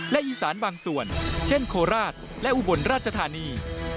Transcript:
และอีสานบางส่วนเช่นโคราชและอุบลราชธานี